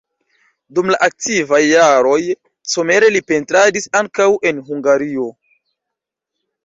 Dum la aktivaj jaroj somere li pentradis ankaŭ en Hungario.